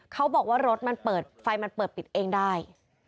เขาบอกว่ารถมันเปิดไฟมันเปิดปิดเองได้